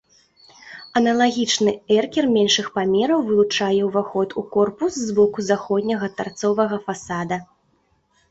Аналагічны эркер меншых памераў вылучае ўваход у корпус з боку заходняга тарцовага фасада.